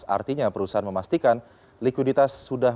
artinya perusahaan memastikan likuiditas sudah